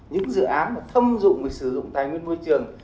những dự án mà thâm dụng về sử dụng tài nguyên môi trường